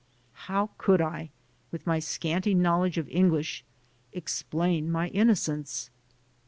How could I, with my scanty knowl edge of English, explain my innocence?